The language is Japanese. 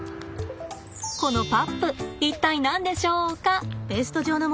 このパップ一体何でしょうか？